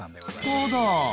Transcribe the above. スターだ！